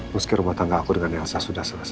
ruski rumah tangga aku dengan yansa sudah selesai